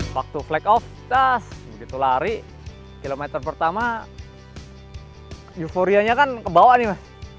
waktu flake off tas begitu lari kilometer pertama euforianya kan kebawa nih mas